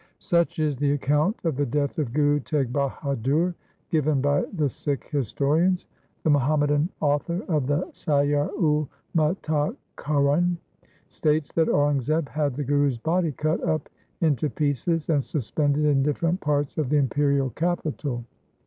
Such is the account of the death of Guru Teg Bahadur given by the Sikh historians. The Muham madan author of the Siyar ul Mutaakharin states that Aurangzeb had the Guru's body cut up into pieces and suspended in different parts of the imperial 392 THE SIKH RELIGION capital.